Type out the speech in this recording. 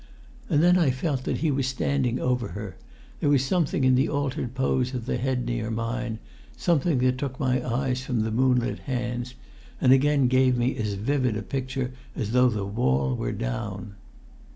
And then I felt that he was standing over her; there was something in the altered pose of the head near mine, something that took my eyes from the moonlit hands, and again gave me as vivid a picture as though the wall were down.